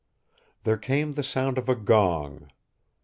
There came the sound of a gong.